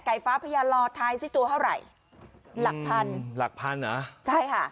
ฟ้าพญาลอทายสิตัวเท่าไหร่หลักพันหลักพันเหรอใช่ค่ะ